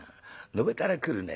のべたら来るね。